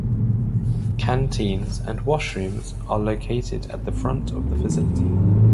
Canteens and washrooms are located at the front of the facility.